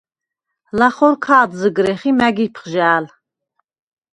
ლახორ ქა̄დზჷგრეხ ი მა̈გ იფხჟა̄̈ლ.